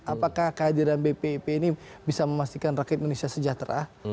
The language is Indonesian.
apakah kehadiran bpip ini bisa memastikan rakyat indonesia sejahtera